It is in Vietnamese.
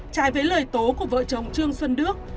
trái với lời tố của vợ chồng trương xuân đức